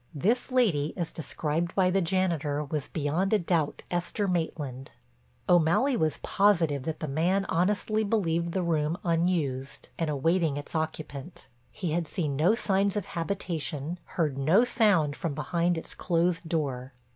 This lady, as described by the janitor, was beyond a doubt Esther Maitland. O'Malley was positive that the man honestly believed the room unused and awaiting its occupant. He had seen no signs of habitation, heard no sound from behind its closed door.